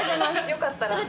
よかったら。